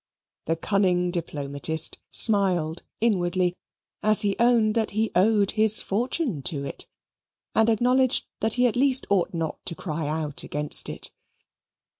The cunning diplomatist smiled inwardly as he owned that he owed his fortune to it, and acknowledged that he at least ought not to cry out against it.